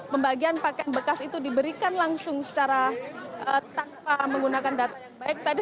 pembagian pakaian bekas itu diberikan langsung secara tanpa menggunakan data yang baik tadi